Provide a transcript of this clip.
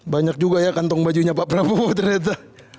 banyak juga ya kantong bajunya pak prabowo ternyata